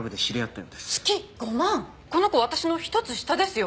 この子私の１つ下ですよ。